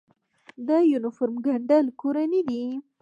د یونیفورم ګنډل کورني دي؟